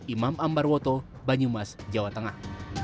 imam ambarwoto banyumas jawa tengah